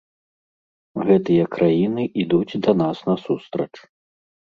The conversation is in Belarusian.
Гэтыя краіны ідуць да нас насустрач.